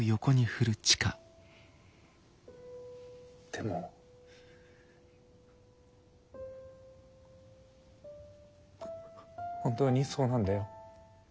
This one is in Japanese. でも本当にそうなんだよ。